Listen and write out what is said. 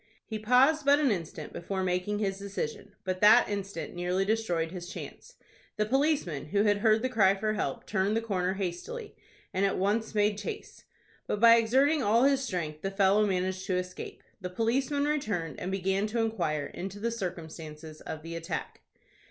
He paused but an instant before making his decision; but that instant nearly destroyed his chance. The policeman, who had heard the cry for help, turned the corner hastily, and at once made chase. But by exerting all his strength the fellow managed to escape. The policeman returned, and began to inquire into the circumstances of the attack.